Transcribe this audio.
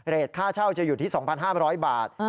ค่าเช่าจะอยู่ที่๒๕๐๐บาท